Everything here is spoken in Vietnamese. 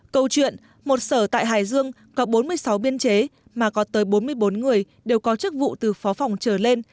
câu chuyện một sở tại hải dương có bốn mươi sáu biên chế mà có tới bốn mươi bốn người đều có chức vụ từ phó phòng trở lên